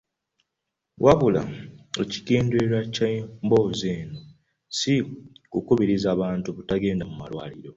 Wabula, ekigendererwa ky’emboozi eno si kukubiriza bantu butagenda mu malwaliro.